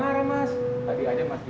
tadi ada mas disini